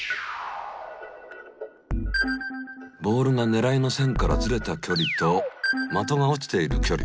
ボールがねらいの線からずれたきょりと的が落ちているきょり。